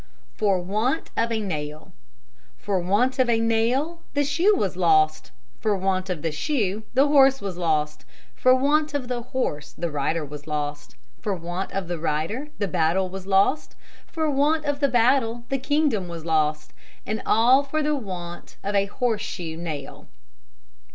FOR WANT OF A NAIL For want of a nail, the shoe was lost; For want of the shoe, the horse was lost; For want of the horse, the rider was lost; For want of the rider, the battle was lost; For want of the battle, the kingdom was lost, And all for the want of a horseshoe nail.